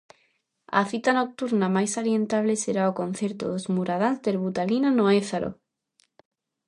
A cita nocturna máis salientable será o concerto dos muradáns Terbutalina no Ézaro.